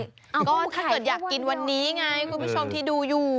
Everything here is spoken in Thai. ก็ถ้าเกิดอยากกินวันนี้ไงคุณผู้ชมที่ดูอยู่